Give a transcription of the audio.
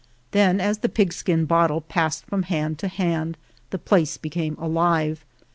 Then as the pig skin bottle passed from hand to hand the place became alive.